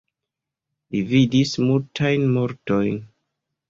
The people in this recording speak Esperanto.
Li vidis multajn mortojn.